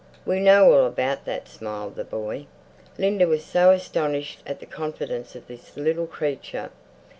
"We know all about that!" smiled the boy. Linda was so astonished at the confidence of this little creature....